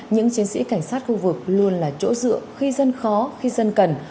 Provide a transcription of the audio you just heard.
những chiến sĩ cảnh sát khu vực luôn là chỗ dựa khi dân khó khi dân cần